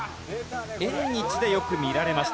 縁日でよく見られました。